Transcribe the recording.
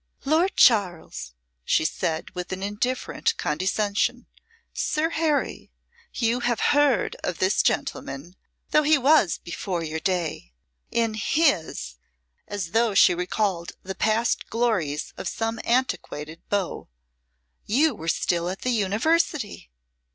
"Lord Charles," she said, with indifferent condescension, "Sir Harry, you have heard of this gentleman, though he was before your day. In his " (as though she recalled the past glories of some antiquated beau) "you were still at the University."